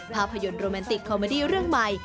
ภาพยนตร์โรแมนติกคอมเมอดี้เรื่องใหม่